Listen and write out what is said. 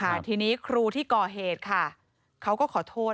อันนี้ครูเข้าใจครูครูรู้ค่ะว่าครูผิด